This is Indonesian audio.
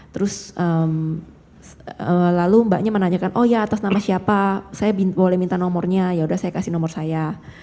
terus lalu mbaknya menanyakan oh ya atas nama siapa saya boleh minta nomornya yaudah saya kasih nomor saya